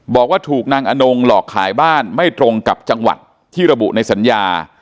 บอกว่าถูกนางอนงหลอกขายบ้านไม่ตรงกับจังหวัดที่ระบุในสัญญา